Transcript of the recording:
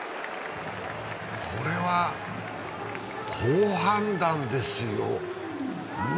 これは好判断ですよね。